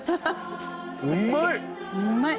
うまい。